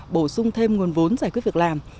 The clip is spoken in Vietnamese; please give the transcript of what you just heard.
bổ sung thêm nguồn vốn giải quyết việc làm